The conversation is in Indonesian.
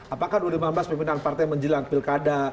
apakah dua ribu lima belas pimpinan partai menjelang pilkada